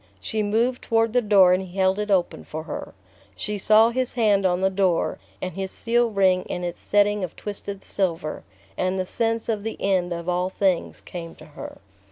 She moved toward the door and he held it open for her. She saw his hand on the door, and his seal ring in its setting of twisted silver; and the sense of the end of all things came to her.